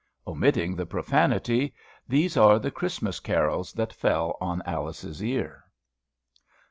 Omitting the profanity, these are the Christmas carols that fell on Alice's ear.